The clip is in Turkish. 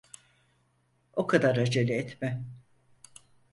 O kadar acele etme.